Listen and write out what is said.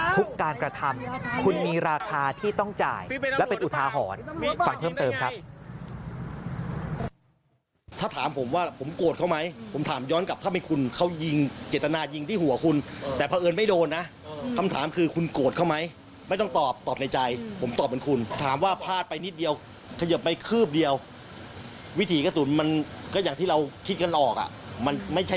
ทุกการกระทำคุณมีราคาที่ต้องจ่ายและเป็นอุทาหรณ์ฟังเพิ่มเติมครับ